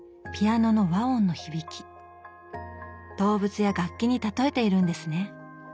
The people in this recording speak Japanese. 動物や楽器に例えているんですね。